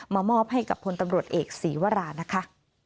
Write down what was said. มอบให้กับพลตำรวจเอกศีวรานะคะ